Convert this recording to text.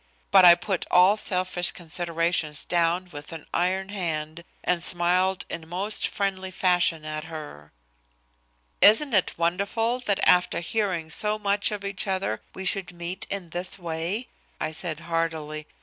But I put all selfish considerations down with an iron hand and smiled in most friendly fashion at her. "Isn't it wonderful that after hearing so much of each other we should meet in this way?" I said heartily.